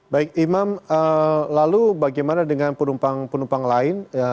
baik imam lalu bagaimana dengan penumpang penumpang lain